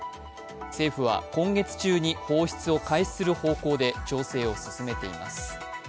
政府は今月中に放出を開始する方向で調整を進めています。